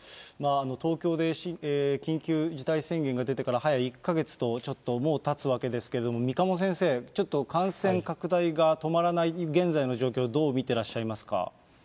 東京で緊急事態宣言が出てから早１か月とちょっと、もう、たつわけですけども、三鴨先生、ちょっと感染拡大が止まらない現在の状況、どう見てらっしゃいますか。